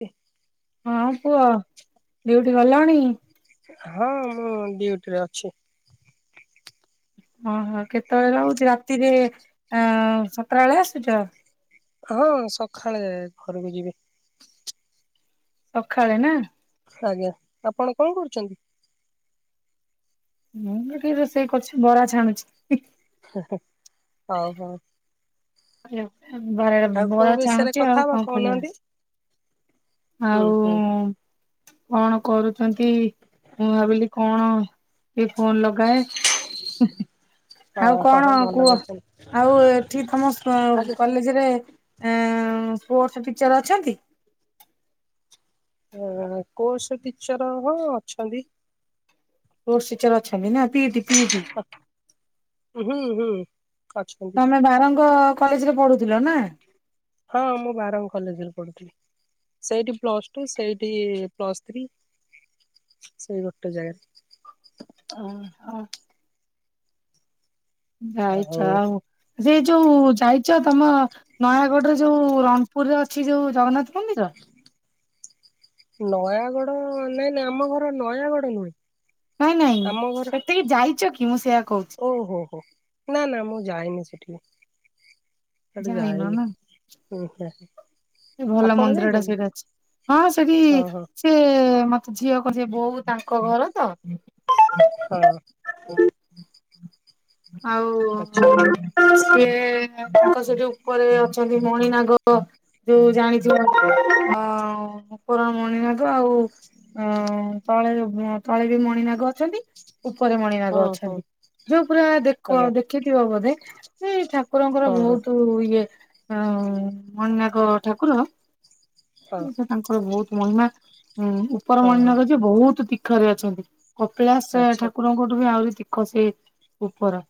ଏ ହଁ ପୁଅ ଡିଉଟି ଗଲଣି। ହଁ ମୁଁ ଡିଉଟିରେ ଅଛି। ଓହୋ କେତେବେଳେ ରହୁଚ ରାତିରେ ଆଁ ସତଟା ବେଳେ ଆସୁଚ? ହଁ ସଖାଳେ ଘରକୁ ଯିବି। ସଖାଳେ ନା। ଆଜ୍ଞା ଆପଣ କଣ କରୁଚନ୍ତି? ମୁଁ ଏଠି ରୋଷେଇ କରୁଚି ବରା ଛାଣୁଚି। ହେ ହେ ଓହୋ। [unintelligible] ବରା ଆଉ କୋଉ ବରା ବିଷୟରେ ଛାଣୁଚି କଥା ଆଉ ହବା କଣ କରିବା। କହୁନାହାନ୍ତି? ହୁଁ ଆଉ ହୁଁ କଣ କରୁଚନ୍ତି? ମୁଁ ଭାବିଲି କଣ? ଏ ଫୋନ ଲଗାଏ ହେ ହେ। ଆଉ ହଁ ହଁ କଣ ହଁ ଭଲ କୁହ? କରିଛନ୍ତି ଆଉ ଏଠି ତମ ସ୍ଵଂ ଆଜ୍ଞା କଲେଜରେ। ଏଁ ସ୍ପୋର୍ଟସ ଟିଚର ଅଛନ୍ତି। ଅ କୋସ ଟିଚର ହଁ ଅଛନ୍ତି। ପୋଷ ଟିଚର ଅଛନ୍ତି ନା ପି ଟି ପି ଟି। ଉଁ ହୁଁ ହୁଁ। ଅଛନ୍ତି ତମେ ବାରଙ୍ଗ କଲେଜ ରେ ପଢୁଥିଲ ନା? ହଁ ମୁଁ ବାରଙ୍ଗ କଲେଜରେ ପଢୁଥିଲି। ସେଇଠି ପ୍ଲସ ଟୁ ସେଇଠି ପ୍ଲସ ଥ୍ରୀ। ସେଇ ଗୋଟେ ଜାଗାରେ। ଅ ଅ। ଯାଇଛ ଆଉ ସେ ଯୋଉ ଯାଇଛ ତମ। ନୟାଗଡରେ ଯୋଉ ରଣପୁରରେ ଅଛି ଯୋଉ ଜଗନ୍ନାଥ ମନ୍ଦିର। ନୟାଗଡ ନାଇ ନାଇ ଆମ ଘର ନୟାଗଡ ନୁହେଁ। ନାଇଁ ନାଇଁ ଆମ ଘର ସେଠିକି ଯାଇଛ କି? ମୁଁ ସେୟା କହୁଛି। ଓହୋ ହୋ ନା ନା ମୁଁ ଯାଇନି ସେଠିକି ସେଠି ଯାଇନ ଯାଇନି। ନା ହୁଁ [unintelligible] ଭଲ ଆପଣ ମନ୍ଦିର ଟା ଯାଇଛନ୍ତି ସେଇଟା ସେଟି ଅଛି ହଁ ସେଠି ହଁ ହଁ ସିଏ ମତେ ଝିଅ କରଚି ବୋଉ ତାଙ୍କ ଘର ତ ହଁ। ଆଉ ଆଚ୍ଛା ସିଏ ତାଙ୍କ ସେଠି ଯୋଉ ଉପରେ ଅଛନ୍ତି ମଣିନାଗ। ଯୋଉ ଜାଣିଥିବ ଅ ଉପର ମଣିନାଗ ଆଉ ଅ ତଳେ ତଳେ ଯୋଉ ମଣିନାଗ ଅଛନ୍ତି ଉପରେ ହଁ ମଣିନାଗ ହଁ ଅଛନ୍ତି। ଯୋଉ ପୁରା ଦେଖ ଆଜ୍ଞା ଦେଖିଥିବ ବୋଧେ ଏଇ ଠାକୁରଙ୍କର ହଁ ହଁ ବହୁତୁ ଇଏ ଆଉ ମଣିନାଗ ଠାକୁର ହଁ। ସେ ତାଙ୍କର ବହୁତ ମହିମା ଉଁ ଉପର ହଁ ହଁ ମଣିନାଗ ଯେ ବହୁତ ତୀଖରେ ଅଛନ୍ତି। କପିଳାସ ଆଚ୍ଛା ଠାକୁରଙ୍କଠୁ ବି ଆହୁରି ତୀଖ ସେ ଉପର।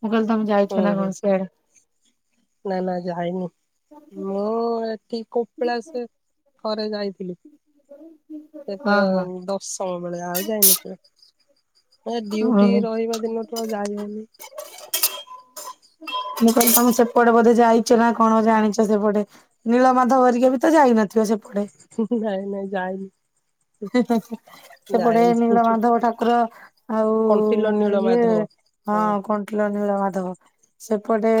ମୁ କଇଲି ତମେ ହୁଁ ଯାଇଛ ନା କଣ ହୁଁ ସିଆଡେ? ନା ନା ଯାଇନି ମୁଁ ଏଠି କପିଳାସେ ଥରେ ଯାଇଥିଲି ସେତ ହଁ ହଁ। ଦଶମ ବେଳେ ଆଉ ଯାଇନି କେବେ। ହେ ଡିଉଟି ମୁଁ ରହିବା ଦିନଠୁ ଆଉ ଯାଇ ହଉନି। ମୁ କହିଲି ତମେ ସେପଟେ ବୋଧେ ଯାଇଛ ନା କଣ ଜାଣିଛ ସେପଟେ। ନୀଳମାଧ ଘରିକା ବି ତ ଯାଇନଥିବ ସେପଟେ? ନାଇଁ ନାଇଁ ଯାଇନି। ହୁଁ ହୁ ହୁ। [unintelligible] ସେପଟେ ଯାଇନି ନୀଳ ମାଧବ ଠାକୁର ଆଉ କଣ୍ଟିଲ ନୀଳ ଇଏ ମାଧବ ହଁ କଣ କିଲ ନୀଳ ମାଧବ ସେପଟେ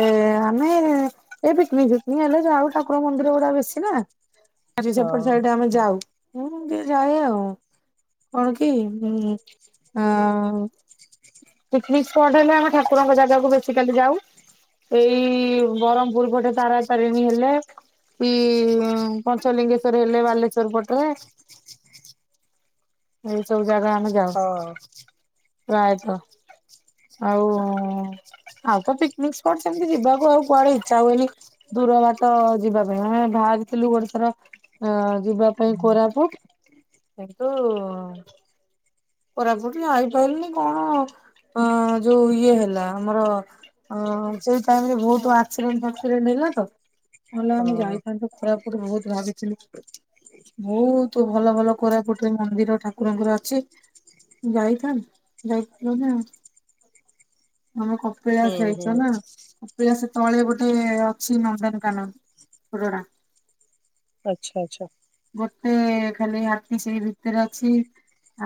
ଆମେ ଏଇ ପିକନିକ୍ ଫିକନିକ ହେଲେ ଯାଉ ଠାକୁର ମନ୍ଦିର ଗୁଡା ବେଶୀ ନା। ଆଜି ହଁ ସେପଟେ ସାଇଡ୍ ଆମେ ଯାଉ। ଯାଏ ଆଉ କଣ କିଁ ଉ ଆ ପିକନିକ ସ୍ପଟ୍ ହେଲେ ଆମେ ଠାକୁରଙ୍କ ଜାଗାକୁ ବେଶିକାଲି ଯାଉ। ଏଇ ବରହମପୁର ପଟେ ତାରା ତାରିଣୀ ହେଲେ ପି ପଞ୍ଚଲିଙ୍ଗେଶ୍ଵର ହେଲେ ବାଲେଶ୍ଵର ପଟେ। ଏଇ ସବୁ ଜାଗା ଆମେ ଯାଉ ହଁ ପ୍ରାୟତଃ। ଆଉ ଆଉ ତ ପିକନିକ ସ୍ପଟ ସେମିତି ଯିବାକୁ ଆଉ କୁଆଡେ ଇଚ୍ଛା ହୁଏନି। ଦୂର ଭାଟ ଯିବା ପାଇଁ ଆମେ ବାହାରିଥିଲୁ ଗୋଟେ ଥର ଅ ଯିବା ପାଇଁ କୋରାପୁଟ କିନ୍ତୁ କୋରାପୁଟ ଆଇପାଇଲିନି କଣ ଅ ଯୋଉ ଇଏ ହେଲା ଆମର ଅ ସେଇ ଟାଇମରେ ବହୁତ ଆକ୍ସିଡେଣ୍ଟ ଫାକ୍ସିଡେଣ୍ଟ ହେଲା ତ ନଲେ ଆମେ ହଁ ଯାଇଥାନ୍ତୁ। କୋରାପୁଟ ବହୁତ ଭାବିଥିଲୁ ବହୁତ ଭଲ ଭଲ କୋରାପୁଟ ଏ ମନ୍ଦିର। ଠାକୁରଙ୍କର ଅଛି ଯାଇଥାନ୍ ଯାଇ ପାଇଲୁନି ଆଉ। ଆମେ ହୁଁ କପିଳାସ ହୁଁ ଯାଇଚ ନା? କପିଲାସ ତଳେ ଗୋଟେ ଅଛି ନନ୍ଦନକାନନ ପୁରଡା ଆଚ୍ଛା ଆଚ୍ଛା। ଗୋଟେ ଖାଲି ହାତୀ ସେଇ ଭିତରେ ଅଛି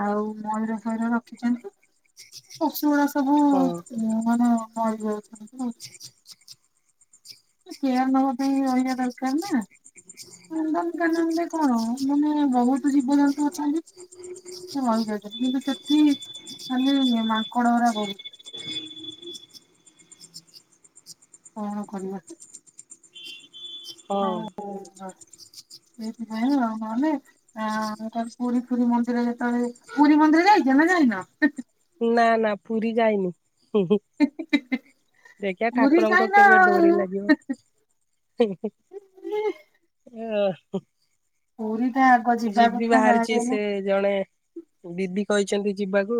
ଆଉ ମୟୂର ଫୟର ରଖିଛନ୍ତି ପଶୁ ଗୁଡା ସବୁ ହଁ ମାନୋ [unintelligible] ଯାଉଛନ୍ତି କେୟାର ନବା ପାଇଁ ରହିବା ଦରକାର ନା। କନ୍ଦନକାନନ ରେ କଣ ମାନେ ବହୁତ ଜୀବଜନ୍ତୁ ଅଛନ୍ତି। [unintelligible] ରହିଯାଉଚନ୍ତି କିନ୍ତୁ ସେଠି ଖାଲି ମାଙ୍କଡ଼ ଗୁରା ବହୁତ୍। କଣ କରିବା। [inaudible] ହଁ ହଉ ଆଉ ସେଇଥିପାଇଁ ଆଉ ନହଲେ ହଁ ମୁଁ କହିଲି ପୁରୀ ଫୁରୀ ମନ୍ଦିର ଯେତେବେଳେ ନା ନା ପୁରୀ ଯାଇନି ହୁଁ ହୁଁ। ଦେଖିଆ ପୁରୀ ଠାକୁରଙ୍କ ଯାଇନ କେବେ ଆଉ। ଡୋରି ଲାଗିବ। ଅ ହ। ପୁରୀ ଟା ଆଗ ଯିବା ଯିବି କଥା ଯାହା ବାହାରିଚି ବି ସେ ହେଲେ ଜଣେ ଦିଦି କହିଚନ୍ତି ଯିବାକୁ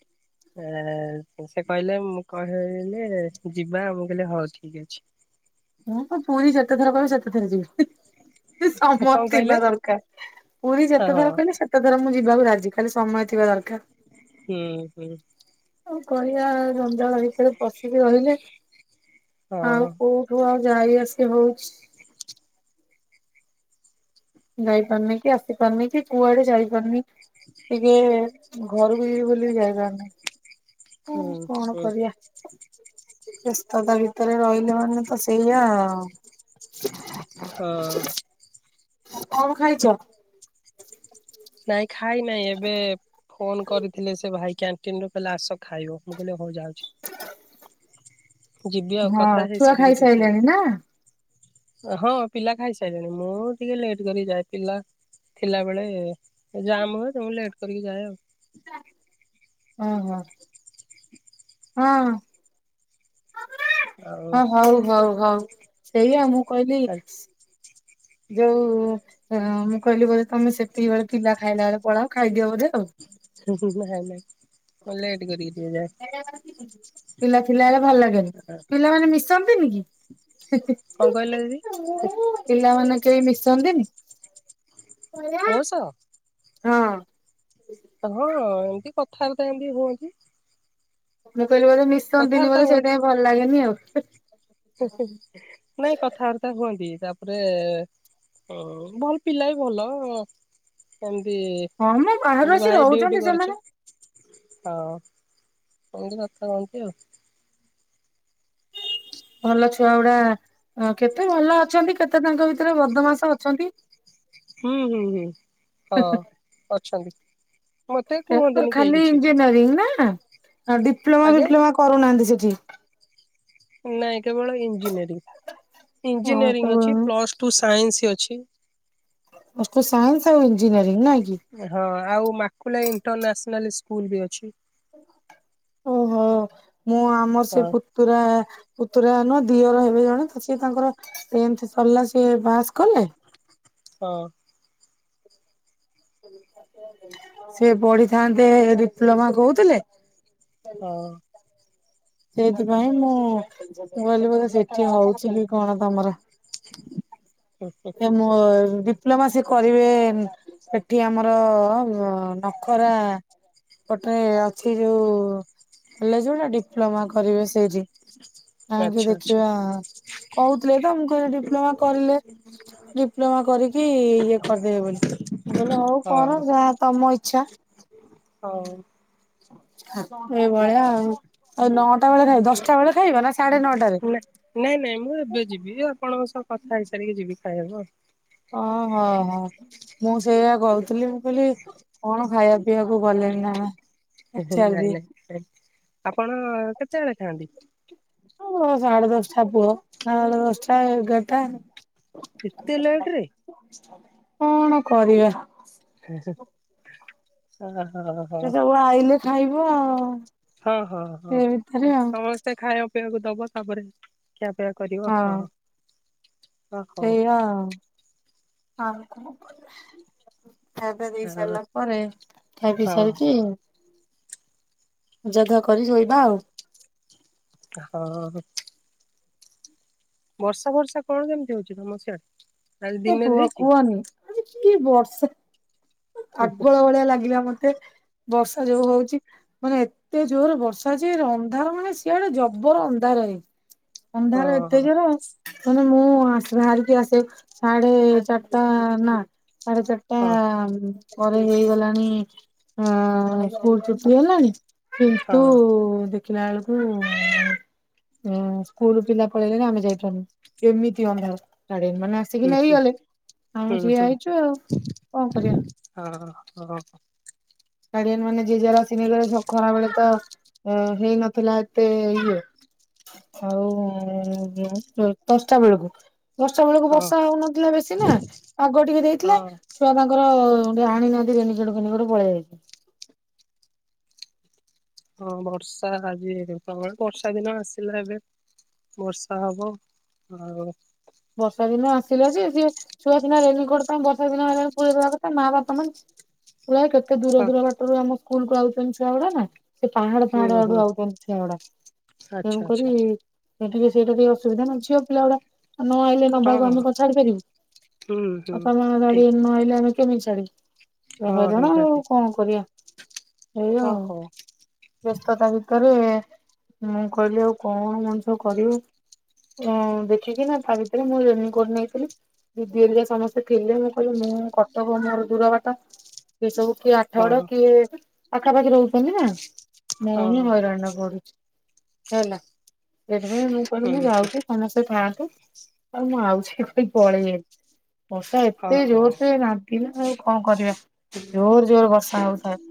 [inaudible] ଏଁ ସେ କହିଲେ ମୁଁ କହି-ଲେ ଯିବା ମୁଁ କହିଲି ହଉ ଠିକ୍ ଅଛି। ମୁଁ ତ ପୁୁରୀ ଯେତେଥର କିହିବ ସେତେ ଥର ଯିବି। ହି ସମୟ କଣ ଥିବା କହିଲେ ଦରକାର ପୁରୀ ହଁ ହଁ ଯେତେଥର କହିଲ ସେ ତେଥର ମୁଁ ଯିବାକୁ ରାଜି ଖାଲି ସମୟ ଥିବା ଦରକାର। ହୁଁ ହୁଁ। କଣ କରିଆ ଜଞ୍ଜାଳ ଭିତରେ ପଶିକି ରହିଲେ ହଁ ଆଉ କୋଉ କୋଉ ଆଉ ଯାଇ ଆସି ହଉଚି। [inaudible] ଯାଇ ପାରୁନି କି ଆସି ପାରୁନି କି କୁଆଡେ ଯାଇପାରୁନି ଟିକେ ଘରୁକୁ ଯିବି ବୋଲି ବି ଯାଇପାରୁ ନାଇଁ। ହୁଁ କଣ କରିଆ ବ୍ୟସ୍ତତା ଭିତରେ ରହିଲେ ମାନେ ମାନେ ତ ସେଇଆ ଆଉ। ହଁ। ଆଉ କଣ ଖାଇଚ? ନାଇଁ ଖାଇନାଇଁ ଏବେ ଫୋନ କରିଥିଲେ ସେ ଭାଇ କ୍ୟାନ୍ ଣ୍ଟିନ୍ ରୁ କହିଲେ ଆସ ଖାଇବ ମୁଁ କହିଲି ହଉ ଯାଉଚି। ଯିବି ଆଉ ହଁ କଥା ହେଇ ଛୁଆ ସାରିକି ଯିବି। ଖାଇସାଇଲେଣି ନା? ହଁ ପିଲା ଖାଇସାଇଲେଣି ମୁଁ ଟିକେ ଲେଟ୍ କରି ଯାଏ ପିଲା ଥିଲାବେଳେ ହେ ଜାମ ହୁଏ ତ ମୁଁ ଲେଟ୍ କରିକି ଯାଏ ଆଉ। ଓ ହୋ। ହଁ [inaudible] ହଁ ହଉ ହଉ ହଉ ସେଇଆ ମୁଁ କହିଲି ଆଉ ଯୋଉ ଏଁ ମୁଁ କହିଲି ବୋଧେ ତମେ ସେତିକି ବେଳେ ପିଲା ଖାଇଲା ବେଳେ ପଳାଅ ଖାଇଦିଅ ବୋଧେ ଆଉ। ନାଇଁ ନାଇଁ ମୁଁ ଲେଟେ କରିକି ଟିକେ ଯାଏ। [inaudible] ପିଲା ଥିଲାବଳେ ଭଲ ଲାଗେନି, ପିଲାମାନେ ମିଶନ୍ତିନି କି? କଣ ହି କହିଲେ ହି। ଦିଦି ପିଲାମାନେ କେହି ମିଶନ୍ତିନି? ମୋ ସହ ହଁ। ହଁ ଏମିତି କଥବାର୍ତା ଏମିତି ହୁଅନ୍ତି। ମୁଁ କହିଲି ବୋଧେ ମିଶନ୍ତିିନି କଥାବାର୍ତ୍ତା ବୋଧେ ହୁଅନ୍ତି ସେଥିପାଇଁ ଭଲ ଲାଗେନି ଆଉ‌। ନାଇଁ କଥାବାର୍ତ୍ତା ହୁଅନ୍ତି ତାପରେ ହଁ ଭଲ ପିଲା ବି ଭଲ ଏମତି ହଁ ମ ବାହାରୁ କିନ୍ତୁ ଆସି ଭାଇ ରହୁଛନ୍ତି ଡିଉଟି କରୁଚ। ସେମାନେ ହଁ ଏନ୍ତି କଥା ଏନ୍ତି ଆଉ। ଭଲ ଛୁଆ ଗୁଡା କେତେ ଭଲ ଅଛନ୍ତି କେତେ ତାଙ୍କ ଭିତରେ ବଦମାସ ଅଛନ୍ତି। ହୁଁ, ହୁଁ, ହୁଁ ହଁ ଅଛନ୍ତି। ମତେ ତାଙ୍କର କୁହନ୍ତିନି କେହି ଖାଲି କିଛି ଇଞ୍ଜିନିୟରିଂ ନା ଡିପ୍ଲୋମା, ଆଜ୍ଞା ଫିପ୍ଲୋମା କରୁନାହାନ୍ତି ସେଠି। ନାଇଁ କେବଳ ଇଞ୍ଜିନିୟରିଂ, ହଁ ଇଞ୍ଜିନିୟରିଂ କେବଳ ଅଛି ପ୍ଲସ୍ ଟୁ ସାଇନ୍ସି ଅଛି। ପ୍ଲସ ଟୁ ସାଇନ୍ସି ଆଉ ଇଜିନିୟରିଂ ନାଁ କି। ହଁ ଆଉ ମାକୁଲା ଇଣ୍ଟରନ୍ୟାସନାଲ ସ୍କୁଲ ବି ଅଛି। ଓହୋ ମୁଁ ଆମର ସେ ପ ହଁ ପୁତୁରା, ପୁତୁରା ନୁହେଁ ଦିଅର ହେବେ ଜଣେ ସିଏ ତାଙ୍କର। ଟେନେଥେ ସରିଲା ସିଏ ପାସ କଲେ। ହଁ। ସେ ପଢିଥାନ୍ତେ ଡିପ୍ଲୋମା କହୁଥିଲେ। ହଁ। ସେଇଥିପାଇଁ ମୁଁ, ମୁଁ କହିଲି ବୋଧେ ସେଠି ହଉଛି କି କ'ଣ ତମର। ଉଁ ହୁଁ। ଯେ ମୋ ଡିପ୍ଲୋମା ସେ କରିବେ ଏଠି ଆମର ନଖରା ପଟେ ଅଛି ଯୋଉ କଲେଜ ଗୁଡ଼ା ଡିପ୍। ଡିପ୍ଲୋମା କରିବେ ସେଇଠି। କାଇଁକି ଆଚ୍ଛା ଆଚ୍ଛା ଦେଖିବା କହୁଥିଲେ ତ ମୁଁ କହିଲି ଡିପ୍ଲୋମା କରିଲେ। [unintelligible] ଡିପ୍ଲୋମା କରିକି ଇଏ କରିଦେବେ ବୋଲି ମୁଁ କହିଲି ହଉ କର ହଁ। ଯାହା ତମ ଇଛା। ହଉ। ଏଇଭଳିଆ ଆଉ, ଆଉ ନଅଟା ବେଳେ ଖାଇବ ଦଶଟା ବେଳେ ଖାଇବ ନା ସାଢେ ନଅଟାରେ। ନା ନାଇଁ, ନାଇଁ ମୁଁ ଏବେ ଯିବି ଆପଣଙ୍କ ସହ କଥା ହେଇସାରିକି ଯିବି ଖାଇବାକୁ ଆଉ। ଅଁ ହଁ, ହଁ। ମୁଁ ସେଇଆ କହୁଥିଲି ମୁଁ କହିଲି କ'ଣ ଖାଇବା, ପିଇବାକୁ ଗଲେଣିି ନାଁ ନାଇଁ। ସେ କେମିତି ଆଇଲା ଆପଣ କେତେବେଳେ ଖାଆନ୍ତି। ଓ ସାଢେ ଦଶଟା ପୁଅ ସାଢେ ଦଶଟା, ଏଗାରଟା। ଏତେ ଲେଟ ରେ କ'ଣ କରିବା। ଏ ହେ। ଅ ହ ହ। ସେ ସବୁ ଆଇଲେ ଖାଇବୁ ଆଉ। ହଁ, ହଁ, ସେ ଭିତରେ ହଁ ଆଉ ସମସ୍ତେ ଖାଇବା, ପିଇବାକୁ ଦବ ତାପରେ। ଖିଆ, ପିଆ କରିବ ହଁ। ହ ହଉ ହେଇଆ ଆଉ, ଆଉ କ'ଣ କରିବା। ଖାଇବା, ପିଇବା ଦେଇ ସାରିଲା ପରେ ଖାଇପି ହଁ ସାରିକି। ମଜାଧୁଆ କରି ଶୋଇବା ଆଉ। ହଁ। ବର୍ଷା, ଫର୍ଷା କ'ଣ କେମିତି ହଉଚି ତମ ସିଆଡେ। ଆଜି ଏ ଦିନରେ ପୁଅ ହେଇଛି କୁହନି ଆଜି କି ବର୍ଷା। ଆଗୁଆ ଭଳିଆ ଲାଗିଲା ମତେ ବର୍ଷା ଯୋଉ ହଉଚି। ମାନେ ଏତେ ଜୋରରେ ବର୍ଷା ଯେ ଅନ୍ଧାର ମାନେ ସିଆଡେ ଜବର ଅନ୍ଧାର ହେଇଚି। ହଁ ଅନ୍ଧାର ଏତେ ହଁ ଜୋର ତାନେ ମୁଁ ଆସ୍ ବାହାରିକି ଆସେ ସାଢେ ଚାରିଟା ନା ସାଢେ ଚାରିଟା। ହଁ। ପରେ ହେଇଗଲାଣି ଅ ସ୍କୁଲ ଛୁଟି ହେଲାଣି। କିନ୍ତୁ ହଁ। ଦେଖିଲା ବେଳକୁ ହୁଁ, ସ୍କୁଲୁ ପିଲା ପଳେଇଲେଣି ଆମେ ଯାଇପାରୁନୁ। ଏମିତି ଅନ୍ଧାରା, ଗାଡିଆନ ମାନେ ଆସିକି ହୁଁ ହୁଁ ନେଇଗଲେ। ହୁଁ ଆମେ ଠିଆ ହୁଁ ହେଇଚୁ ଆଉ କଣ କରିଆ? ହଁ ହଁ ଗାଡିଆନ୍ ମାନେ ଯିଏ ଯାର ଆସିକି ନେଇଗଲେ। ଖରାବେେଳେ ତ ଅ ହେଇନଥିଲା ଏତେ ଇଏ। ଆଉ, [unintelligible] ଦଶଟା ବେଳକୁ। ଦଶଟା ବେଳକୁ ହଁ ବର୍ଷା ହଉନଥିଲା ବେଶୀ ନା। ପାଗ ଟିକେ ଦେଇଥିଲା। ହଁ ଛୁଆ ତାଙ୍କର ଏ ଆଣିନାହାନ୍ତି ରେନିକୋଟ, ଫେନିକୋଟ ପଳେଇ ଆଇସନ୍ତି। ହଁ ବର୍ଷା ଆଜି ପ୍ରବଳ। ବର୍ଷା ଦିନ ଆସିଲା ଏବେ। ବର୍ଷା ହବ। ଆଉ ବର୍ଷା ଦିନ ଆସିଲା ଯେ, ସିଏ ଛଆ ସିନା ରେନିକୋଟ ପାଇଁ ବର୍ଷା ଦିନ ଆରଲାଣି ପୁରେଇଦବା କଥା। ମା, ବାପା ନାହାନ୍ତି। ପୁରା କେତେ ଦୂର ହଁ ଦୂର ବାଟରୁ ଆମ ସ୍କୁଲ କୁ ଆଉଛନ୍ତି ଛୁଆ ଗୁଡା ନା। ସେ ପାହାଡ ହୁଁ ପାହାଡ ଆଡୁ ହୁଁ ଆଉଛନ୍ତି ଛୁଆ ଗୁଡା। ଆଚ୍ଛା ଆଚ୍ଛା ତେଣୁକରି ସେଠିକି ସେଇଟା ଟିକେ ଅସୁବିଧା ନା। ଝିଅ ପିଲା ଗୁଡା ନ ଆଇଲେ ହଁ ନବାକୁ ଆମେ ହଁ କଣ ଛାଡି ପାରିବୁ। ହୁଁ ହୁଁ ବାପା, ମା ଠିକ ଗାଡିଆନ ନ ଆଲଲେ ଆମେ କେମିତି ଛାଡିବୁ? ଏ ହଁ ହଇରାଣ ଆଉ ନିହାତି କଣ କରିବା? ଏଇଆ ହଁ ଆଉ। ହଉ ବ୍ୟସ୍ତତା ଭିତରେ ମୁଁ କହିଲି ଆଉ କଣ ମଣିଷ କରିବୁ? ଓଁ ଦେଖିକି ନା ତା ଭିତରେ ମୁଁ ରେନିକୋଟ୍ ନେଇଥିଲି। ଦିଦି ହେରିକା ସମସ୍ତେ ଥିଲେ। ମୁଁ କହିଲି ମୁଁ କଟକ ମୋର ଦୂର ବାଟ। ସିଏ ସବୁ କିଏ ଆଠ ହଁ ଗଡ କିଏ ପାଖାପାଖି ରହୁଛନ୍ତି ନା? ମୁଁ ହଁ ହିଁ ହଇରାଣ ରେ ପଡୁଛି। ହେଲା। ସେଥିପାଇଁ ମୁଁ କହିଲି ହୁଁ ମୁଁ ହୁଁ ଯାଉଛି, ସମସ୍ତେ ଥାଆନ୍ତୁ। ଆଉ ମୁଁ ଆଉଛି। କେମିତି ପଳେଇ ଆଇଲିି। ଵର୍ଷା ହଁ ଏତେ ହଉ ଜୋର ସେ ନା ଦିଲା ଆଉ କଣ କରିବା? ଜୋର ଜୋର ବର୍ଷା ହଉଥାଏ।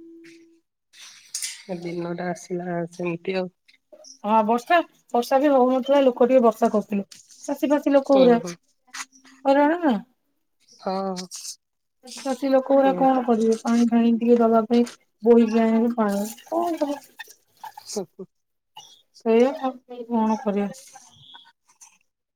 ଏ ଦିନ ଟା ଆସିଲା ସେମିତି ଆଉ। ହଁ ବର୍ଷା, ବର୍ଷା ବି ହଉନଥିଲା ଲୋକ ଟିକେ ବର୍ଷା କରୁଥିଲେ। ଚାଷୀ ଫାସି ଲୋକ ହୁଁ ଗୁରା ହୁଁ ହଇରାଣ ନା? ହଁ ଚାଷି ଲୋକ ଗୁରା କଣ କରିବେ? ପାଣି ଫଣି ଟିକେ ଦବା ପାଇଁ ବୋହିକି ଆଣି [unintelligible] କଣ କରିବେ? ସୁ [unintelligible] ସେଇଆ [inaudible] କଣ କରିବା?